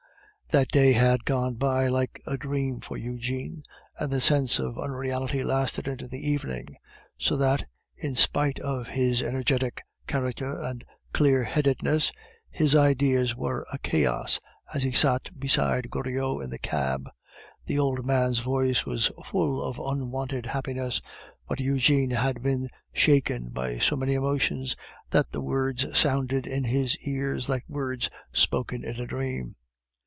That day had gone by like a dream for Eugene, and the sense of unreality lasted into the evening; so that, in spite of his energetic character and clear headedness, his ideas were a chaos as he sat beside Goriot in the cab. The old man's voice was full of unwonted happiness, but Eugene had been shaken by so many emotions that the words sounded in his ears like words spoken in a dream.